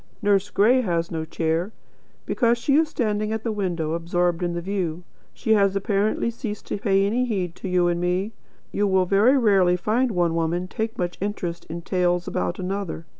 Nurse Gray has no chair, because she is standing at the window absorbed in the view. She has apparently ceased to pay any heed to you and me. You will very rarely find one woman take much interest in tales about another.